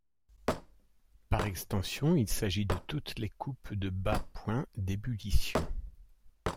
Par extension, il s'agit de toutes les coupes de bas point d'ébullition.